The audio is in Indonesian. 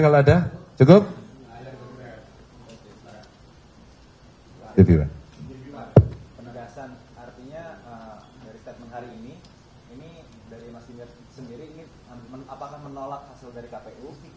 artinya dari statement hari ini ini dari mas indra sendiri ini apakah menolak hasil dari kpu